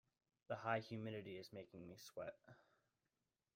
The high humidity is making me sweat.